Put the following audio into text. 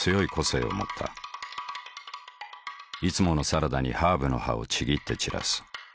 いつものサラダにハーブの葉をちぎって散らす。